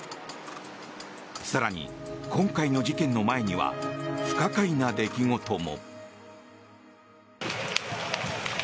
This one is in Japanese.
更に、今回の事件の前には不可解な出来事も。